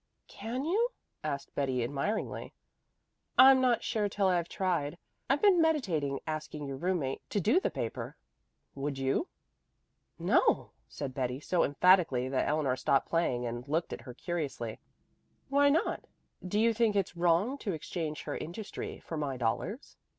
"Can you?" asked Betty admiringly. "I'm not sure till I've tried. I've been meditating asking your roommate to do the paper. Would you?" "No," said Betty so emphatically that Eleanor stopped playing and looked at her curiously. "Why not? Do you think it's wrong to exchange her industry for my dollars?"